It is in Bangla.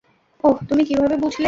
ওহ, তুমি কীভাবে বুঝলে?